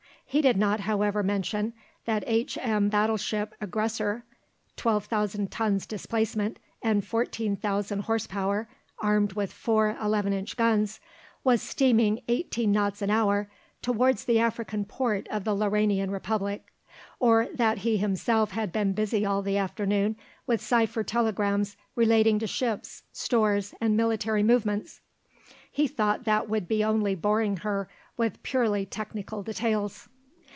He did not however mention that H.M. battleship Aggressor (12,000 tons displacement and 14,000 horse power, armed with four 11 inch guns) was steaming eighteen knots an hour towards the African port of the Lauranian Republic, or that he himself had been busy all the afternoon with cipher telegrams relating to ships, stores, and military movements. He thought that would be only boring her with purely technical details.